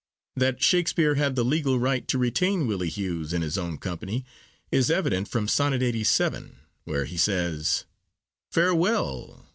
That Shakespeare had the legal right to retain Willie Hughes in his own company is evident from Sonnet LXXXVII., where he says:— Farewell!